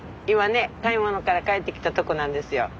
今ね買い物から帰ってきたとこなんですよ。